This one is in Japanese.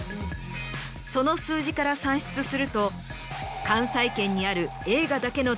その数字から算出すると関西圏にある。